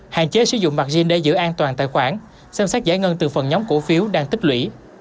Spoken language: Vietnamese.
hạn chế sử dụng mặt riêng để giữ an toàn tài khoản xem xét giải ngân từ phần nhóm cổ phiếu đang tích lũy